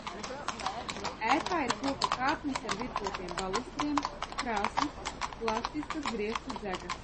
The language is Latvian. Ēkā ir koka kāpnes ar virpotiem balustriem, krāsnis, plastiskas griestu dzegas.